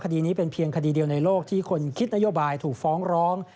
คดีนี้เป็นเพียงคดีเดียวในโลกที่คนคิดนโยบายถูกฟ้องร้อง